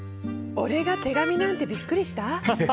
俺が手紙なんてビックリした？